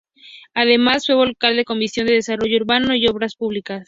Además fue Vocal de la Comisión de Desarrollo Urbano y Obras Públicas.